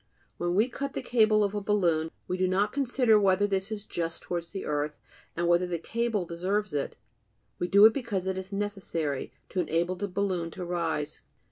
When we cut the cable of a balloon, we do not consider whether this is just towards the earth, and whether the cable deserves it; we do it because it is necessary, to enable the balloon to rise.